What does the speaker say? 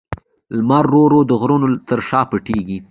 لمر ورو ورو د غرونو تر شا پټېږي.